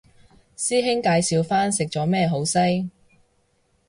師兄介紹返食咗咩好西